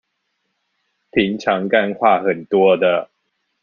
平常幹話很多的